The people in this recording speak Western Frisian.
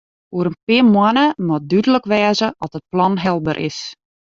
Oer in pear moanne moat dúdlik wêze oft it plan helber is.